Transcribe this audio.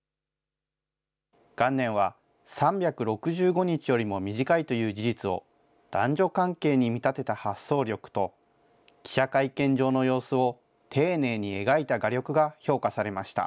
元年は３６５日よりも短いという事実を、男女関係に見立てた発想力と、記者会見場の様子を丁寧に描いた画力が評価されました。